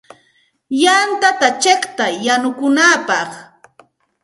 Yantata chiqtay yanukunapaq.